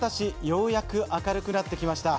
ようやく明るくなってきました。